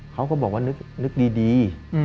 เขาก็บอกว่านึกดี